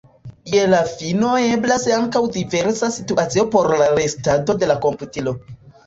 Je la fino eblas ankaŭ diversa situacio por la restado de la komputilo.